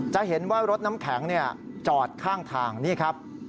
จะเห็นว่ารถน้ำแข็งจอดข้างทางนี่ครับ